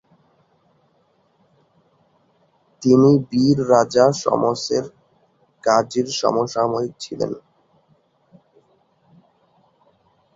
তিনি বীর রাজা শমসের গাজীর সমসাময়িক ছিলেন।